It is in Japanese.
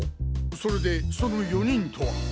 それでその４人とは？